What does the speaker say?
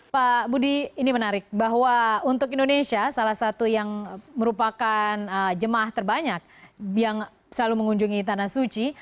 pak budi ini menarik bahwa untuk indonesia salah satu yang merupakan jemaah terbanyak yang selalu mengunjungi tanah suci